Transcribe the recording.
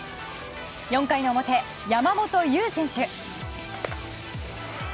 ４回の表、山本優選手。